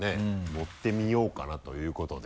のってみようかなということで。